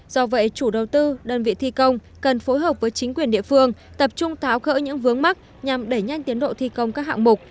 do vậy chủ đầu tư đơn vị thi công cần phối hợp với chính quyền địa phương tập trung tháo khỡ những vướng mắt nhằm đẩy nhanh tiến độ thi công các hạng mục